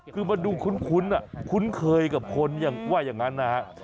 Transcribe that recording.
คือมันดูคุ้นคุ้นเคยกับคนอย่างว่าอย่างนั้นนะฮะ